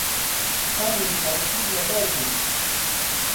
خەمی خەڵکی لەبەر بوو